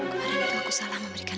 kemarin itu aku salah memberikan